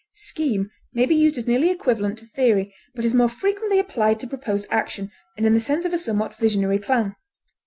Scheme may be used as nearly equivalent to theory, but is more frequently applied to proposed action, and in the sense of a somewhat visionary plan.